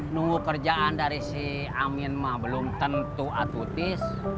nunggu kerjaan dari si amin mah belum tentu atutis